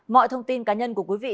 mọi thông tin cá nhân của quý vị